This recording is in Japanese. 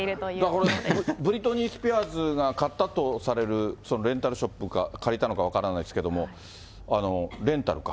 だからブリトニー・スピアーズが買ったとされる、レンタルショップ、借りたのか分からないですけれども、レンタルか。